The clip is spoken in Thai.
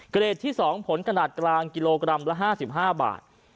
เกรดที่๒ผลขนาดกลางกิโลกรัมละ๕๕บาท